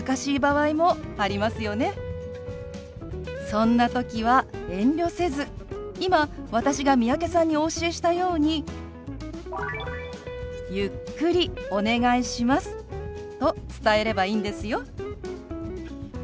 そんな時は遠慮せず今私が三宅さんにお教えしたように「ゆっくりお願いします」と伝えればいいんですよ。